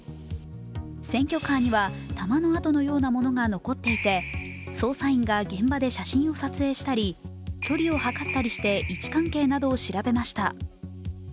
選挙カーには弾の痕のようなものが残っていて捜査員が現場で写真を撮影したり距離を測ったりして位置関係を調べました。